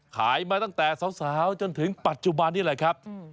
ขายมาตั้งแต่สาวจนถึงปัจจุบันนี้แหละครับ